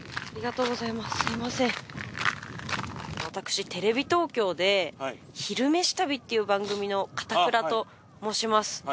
私テレビ東京で「昼めし旅」っていう番組の片倉と申します。